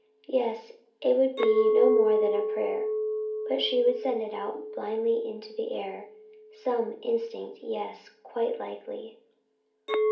Yes, it would be no more than a prayer, but she would send it out blindly into the air.... Some instinct yes, quite likely.